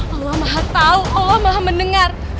allah maha tahu allah maha mendengar